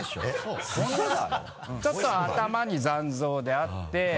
ちょっと頭に残像であって。